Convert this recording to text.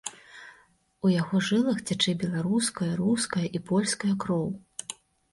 У яго жылах цячэ беларуская, руская і польская кроў.